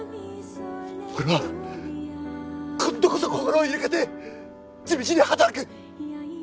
俺は今度こそ心を入れ替えて地道に働く！